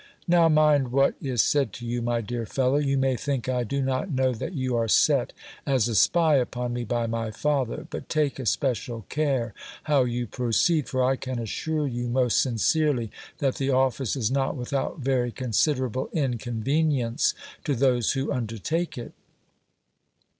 Now mind what is said to you, my dear fellow ; you may think I do not know that you are set as a spy upon me by my father ; but take especial care how you proceed, for I can assure you most sincerely, that the office is not without 378 GIL BLAS. very considerable inconvenience to those who undertake it.